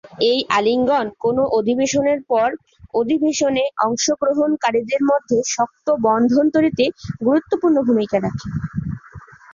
এই আলিঙ্গন কোনো অধিবেশনের পর; অধিবেশনে অংশগ্রহণকারীদের মধ্যে শক্ত বন্ধন তৈরীতে গুরুত্বপূর্ণ ভূমিকা রাখে।